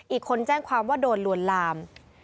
อีกคนแจ้งความว่าโดนลวนลาม